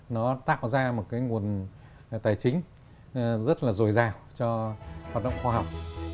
nó tạo ra một cái nguồn tài chính rất là dồi dào cho hoạt động khoa học